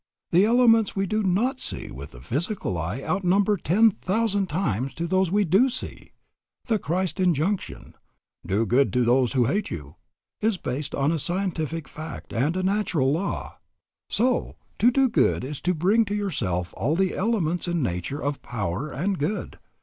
The elements we do not see with the physical eye outnumber ten thousand times those we do see. The Christ injunction, 'Do good to those who hate you,' is based on a scientific fact and a natural law. So, to do good is to bring to yourself all the elements in nature of power and good.